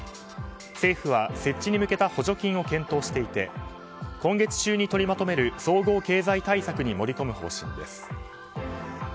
政府は設置に向けた補助金を検討していて今月中に取りまとめる総合経済対策に盛り込む方針です。